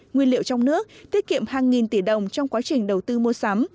nguyên liệu trong nước tiết kiệm hàng nghìn tỷ đồng trong quá trình đầu tư mua sắm